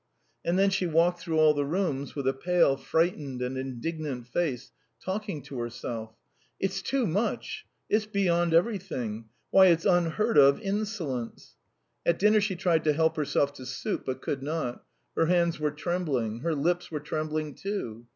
And then she walked through all the rooms, with a pale, frightened, and indignant face, talking to herself: "It's too much! It's beyond everything. Why, it's unheard of insolence!" At dinner she tried to help herself to soup, but could not her hands were trembling. Her lips were trembling, too.